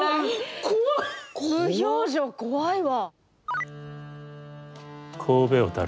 無表情怖いわ。